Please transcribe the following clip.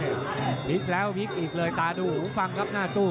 พลิกแล้วพลิกอีกเลยตาดูหูฟังครับหน้าตู้